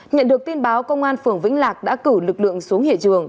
nhận được tin báo công an phường vĩnh lạc đã cử lực lượng xuống hiện trường